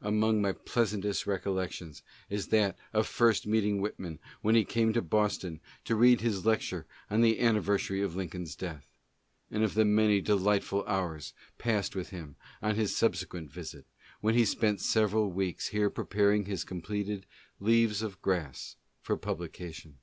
Among my pieasantest recollections is that of first meeting Whit man when he came to Boston to read his lecture on the anniver sary of Lincoln's death, and of the many delightful hours passed with him on his subsequent visit, when he spent several w here preparing his completed 'Leaves of Grass" for publica tion.